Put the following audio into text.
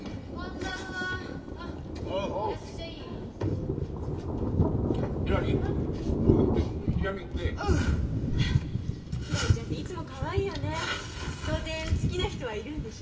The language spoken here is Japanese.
当然好きな人はいるんでしょ？